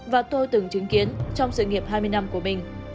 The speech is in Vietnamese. và tôi từng chứng kiến trong sự nghiệp hai mươi năm của mình